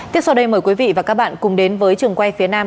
tiếp sau đây mời quý vị và các bạn cùng đến với trường quay phía nam